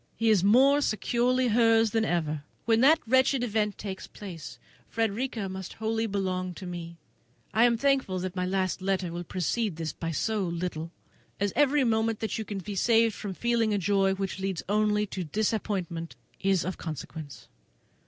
He is more securely hers than ever. When that wretched event takes place, Frederica must belong wholly to us. I am thankful that my last letter will precede this by so little, as every moment that you can be saved from feeling a joy which leads only to disappointment is of consequence.